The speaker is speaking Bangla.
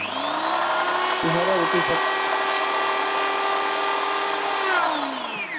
ইঁহারা অতি ভক্ত ও সাধুসেবাপরায়ণ।